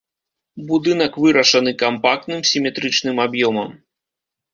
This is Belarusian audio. Будынак вырашаны кампактным сіметрычным аб'ёмам.